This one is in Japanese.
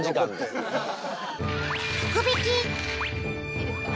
いいですか？